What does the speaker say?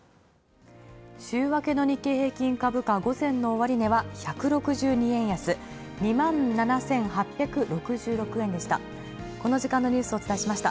週明けの日経平均株価、午前の終値は１６２円安、２万７８６６円でした。